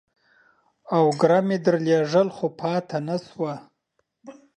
اوگره مې درلېږل ، خو پاته نسوه.